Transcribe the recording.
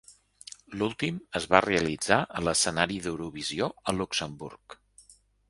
L'últim es va realitzar a l'escenari d'Eurovisió a Luxemburg.